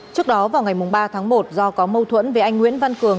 trước đó vào ngày ba tháng một do có mâu thuẫn với anh nguyễn văn cường